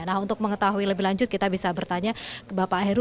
nah untuk mengetahui lebih lanjut kita bisa bertanya ke bapak heru